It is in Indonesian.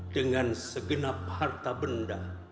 dengan segenap harta benda